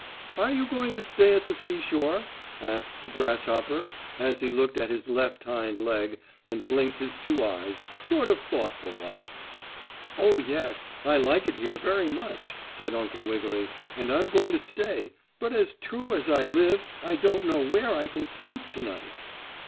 "Are you going to stay at the seashore?" asked the grasshopper, as he looked at his left hind leg and blinked his two eyes, sort of thoughtful like. "Oh, yes, I like it here very much," said Uncle Wiggily, "and I'm going to stay, but as true as I live I don't know where I can sleep to night."